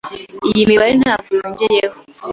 Iyi mibare ntabwo yongeyeho.